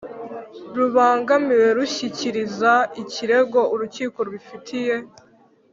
rubangamiwe rushyikiriza ikirego urukiko rubifitiye